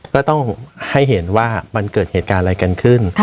ก็ต้องให้เห็นว่ามันเกิดเหตุการณ์อะไรกันขึ้น